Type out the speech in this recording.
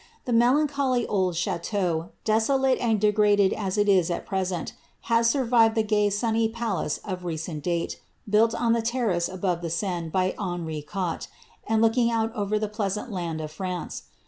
The melancholy old ch&leau, desolate and degraded as it is at present, has survived the gay sunny palace of recent date, built on the terrace above the Seine, by Henri ^uatrc, and looking out over the pleasant land of France.